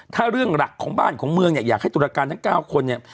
ถ้าเรื่องหลักของบ้านของเมืองเนี่ยอยากให้ตุรการทั้ง๙คนเนี่ย